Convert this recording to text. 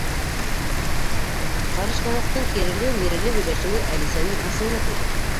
Ҡарышлауыҡтың киреле-миреле һөйләшеүе Әлисәнең асыуына тейҙе.